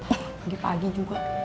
eh pagi pagi juga